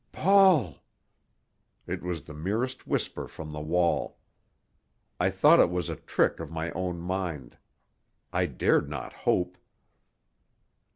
"Paul!" It was the merest whisper from the wall. I thought it was a trick of my own mind. I dared not hope.